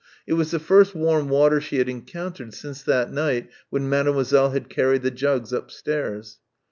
It was the first warm water she had encountered since that night when Mademoiselle had carried the jugs upstairs.